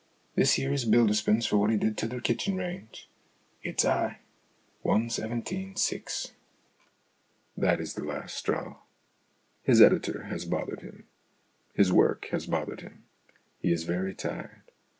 This here is Bilderspin's for what he did to the kitchen range. It's high one seventeen six." That is the last straw. His editor has bothered him. His work has bothered him. He is very tired.